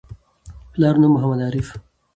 پلار نوم: محمد عارف